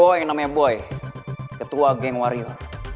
buat cowok yang namanya boy ketua geng wario